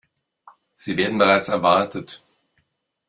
Sie werden bereits erwartet.